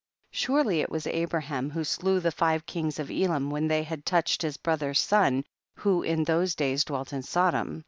surely it was Abraham who slew the five kings of Elam, when they had touched his brother's son who in those days dwelt in Sodom.